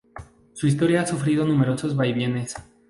Su historia ha sufrido numerosos vaivenes.